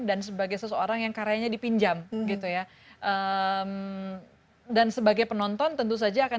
dan sebagai seseorang yang karyanya dipinjam gitu ya dan sebagai penonton tentu saja akan